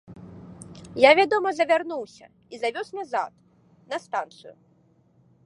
Я, вядома, завярнуўся і завёз назад на станцыю.